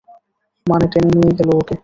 মানে, টেনে নিয়ে গেলো ওকে।